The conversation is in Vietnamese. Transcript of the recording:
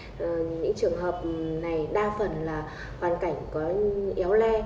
những trường hợp này đa phần là hoàn cảnh có éo le